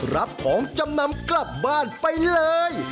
รับของจำนำกลับบ้านไปเลย